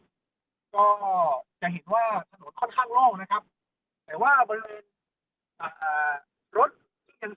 ก็จะเห็นว่าถนนค่อนข้างโล่งนะครับแต่ว่าบริเวณอ่ารถที่เป็น